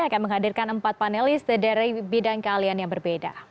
akan menghadirkan empat panelis dari bidang keahlian yang berbeda